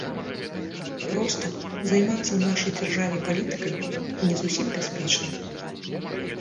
Проста, займацца ў нашай дзяржаве палітыкай не зусім бяспечна.